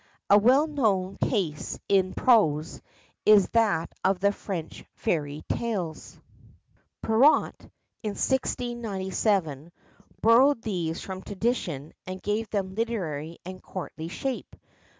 A well known case in prose, is that of the French fairy tales. Perrault, in 1697, borrowed these from tradition and gave them literary and courtly shape.